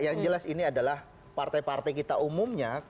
yang jelas ini adalah partai partai kita umumnya